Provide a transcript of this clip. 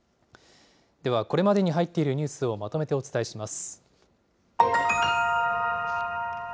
では、これまでに入っているニュースをまとめてお伝えします。